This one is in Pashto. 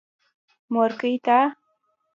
مورکۍ تا.